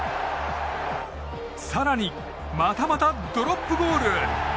更に、またまたドロップゴール！